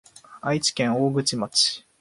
愛知県大口町